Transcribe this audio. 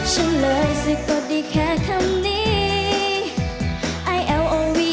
ฉันเลยซึกกดดีแค่คำนี้